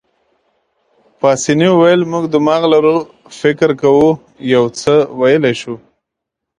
پاسیني وویل: موږ دماغ لرو، فکر کوو، یو څه ویلای شو.